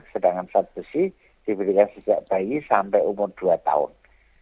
sedangkan sapsi diberikan sejak bayi sampai umur dua tahun